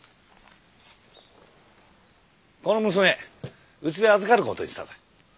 この娘うちで預かることにしたぜ。